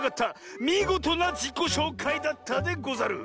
みごとなじこしょうかいだったでござる！